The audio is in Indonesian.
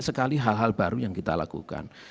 sekali hal hal baru yang kita lakukan